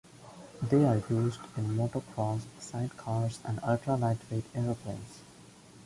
They are used in motocross sidecars and ultra lightweight aeroplanes.